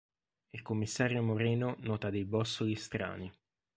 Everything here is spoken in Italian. Il commissario Moreno nota dei bossoli strani.